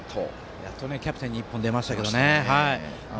やっとキャプテンに１本、出ましたけどね